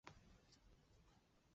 联盟成员主要分布在美国南部。